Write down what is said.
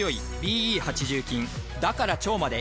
だから腸まで。